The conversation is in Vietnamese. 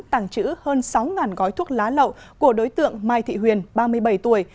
tàng trữ hơn sáu gói thuốc lá lậu của đối tượng mai thị huyền ba mươi bảy tuổi